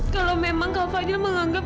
kalau memang kak fadil menganggap